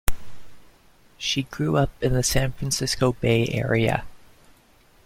She grew up in the San Francisco Bay Area.